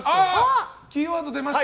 キーワード出ました！